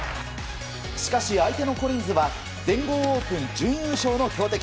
しかし、相手のコリンズは全豪オープン準優勝の強敵。